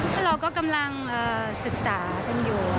ก็เราก็กำลังศึกษากันอยู่